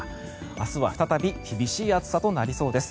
明日は再び厳しい暑さとなりそうです。